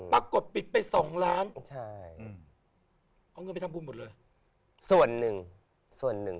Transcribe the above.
ปรากฏปิดไปสองล้านใช่อืมเอาเงินไปทำบุญหมดเลยส่วนหนึ่งส่วนหนึ่ง